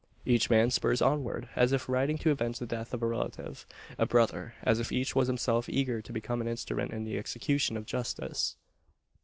Each man spurs onward, as if riding to avenge the death of a relative a brother; as if each was himself eager to become an instrument in the execution of justice!